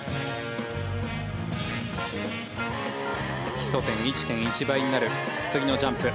基礎点１．１倍になる次のジャンプ。